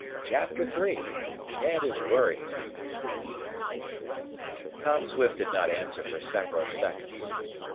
Chapter III Ned is Worried Tom Swift did not answer for several seconds.